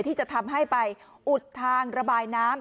ที่จะทำให้ไปอุดทางระบายน้ำ